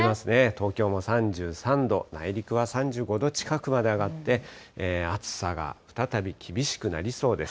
東京も３３度、内陸は３５度近くまで上がって、暑さが再び厳しくなりそうです。